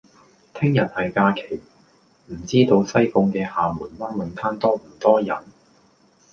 聽日係假期，唔知道西貢嘅廈門灣泳灘多唔多人？